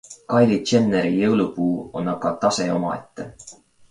Kylie Jenneri jõulupuu on aga tase omaette.